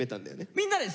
みんなです！